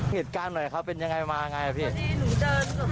แผลที่เห็นเนี่ยแค่เธอเผลอไปเดินชนเสาสาธาริมทางก็เท่านั้นเอง